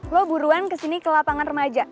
lo buruan kesini ke lapangan remaja